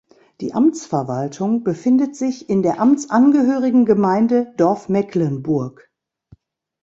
Die Amtsverwaltung befindet sich in der amtsangehörigen Gemeinde Dorf Mecklenburg.